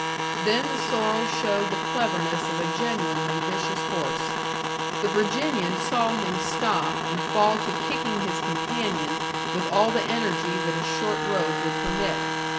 Then the sorrel showed the cleverness of a genuinely vicious horse. The Virginian saw him stop and fall to kicking his companion with all the energy that a short rope would permit.